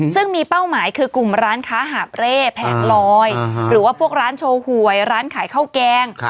ซึ่งมีเป้าหมายคือกลุ่มร้านค้าหาบเร่แผงลอยหรือว่าพวกร้านโชว์หวยร้านขายข้าวแกง